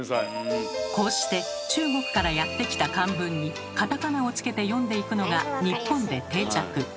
こうして中国からやって来た漢文にカタカナをつけて読んでいくのが日本で定着。